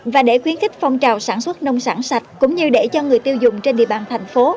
và để khuyến khích phong trào sản xuất nông sản sạch cũng như để cho người tiêu dùng trên địa bàn thành phố